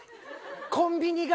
コンビニが。